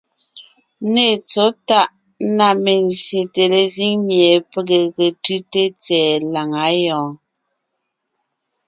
Nê tsɔ̌ tàʼ na mezsyète lezíŋ mie pege ge tʉ́te tsɛ̀ɛ làŋa yɔɔn.